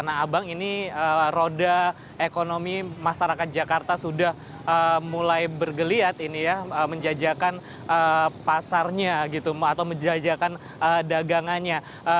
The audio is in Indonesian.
nah abang ini roda ekonomi masyarakat jakarta sudah mulai bergeliat ini ya menjajakan pasarnya gitu atau menjajakan dagangannya